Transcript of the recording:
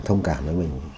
thông cảm với mình